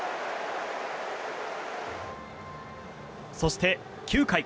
そして９回。